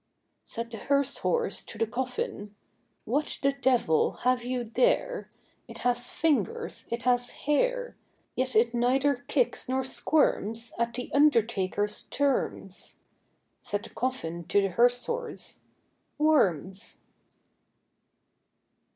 Said the hearse horse to the coffin, "What the devil have you there? It has fingers, it has hair; Yet it neither kicks nor squirms At the undertaker's terms." Said the coffin to the hearse horse, "Worms!"